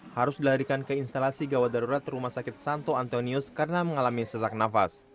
harus dilarikan ke instalasi gawat darurat rumah sakit santo antonius karena mengalami sesak nafas